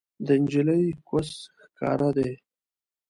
د انجلۍ کوس ښکاره دی